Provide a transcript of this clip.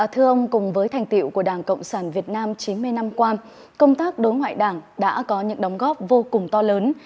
thưa ông cùng với thành tiệu của đảng cộng sản việt nam chín mươi năm qua công tác đối ngoại đảng đã có những đóng góp vô cùng to lớn